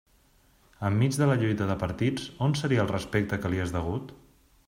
Enmig de la lluita de partits, ¿on seria el respecte que li és degut?